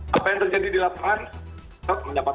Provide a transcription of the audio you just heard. dan apa yang terjadi di lapangan menyebabkan tekanan luar biasa